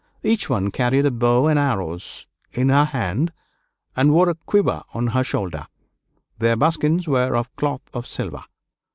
Each one carried a bow and arrows in her hand and wore a quiver on her shoulder; their buskins were of cloth of silver.